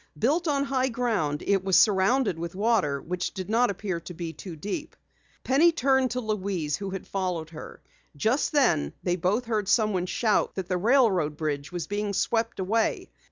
Built on high ground it was surrounded with water which did not appear to be deep. Penny turned to Louise who had followed her. Just then they both heard someone shout that the railroad bridge was being swept away.